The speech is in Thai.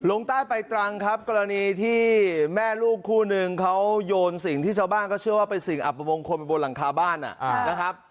ลงใต้ไปตรังครับกรณีที่แม่ลูกคู่นึงเขาโยนสิ่งที่ชาวบ้านก็เชื่อว่าเป็นสิ่งอัปมงคลบนหลังคาบ้านนะครับ